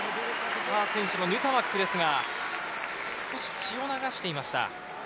スター選手のヌタマックですが、少し血を流していました。